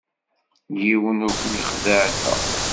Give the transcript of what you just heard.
Yiwen ur ken-ixeddeε da.